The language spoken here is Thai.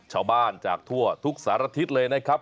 ชาวบ้านจากทั่วทุกสารทิศเลยนะครับ